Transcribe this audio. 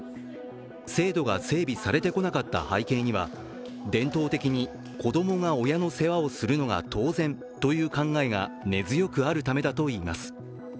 制度が整備されてこなかった背景には、伝統的に子供が親の世話をするのが当然という考えが根強くあるためだといいます。